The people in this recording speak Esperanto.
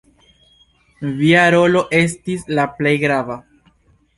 Via rolo estis la plej grava.